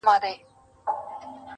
نن گدا وو خو سبا به دنيا دار وو؛